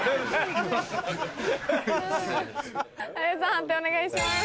判定お願いします。